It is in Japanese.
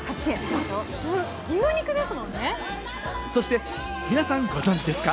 そして、皆さん、ご存じですか？